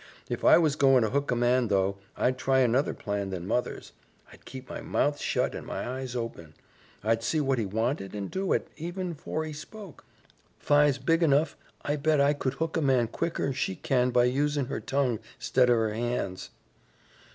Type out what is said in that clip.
If I was goin' to hook a man though, I'd try another plan than mother's. I'd keep my mouth shut and my eyes open. I'd see what he wanted and do it, even 'fore he spoke. 'Fi's big anuf I bet I could hook a man quicker'n she can by usin' her tongue 'stead of her hands."